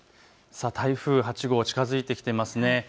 台風８号、近づいてきていますね。